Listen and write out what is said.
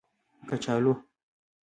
🥔 کچالو